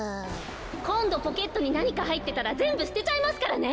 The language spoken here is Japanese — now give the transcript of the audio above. こんどポケットになにかはいってたらぜんぶすてちゃいますからね！